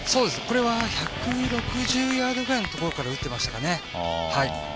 １６０ヤードくらいのところから打ってましたかね。